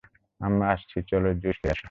আমি আসছি, চলো জুস খেয়ে আসি।